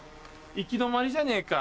行き止まりじゃねえか！